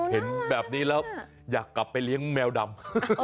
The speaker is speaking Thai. เห็นแบบนี้แล้วอยากกลับไปเลี้ยงแมวดำ